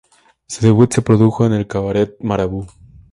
Su debut se produjo en el cabaret Marabú.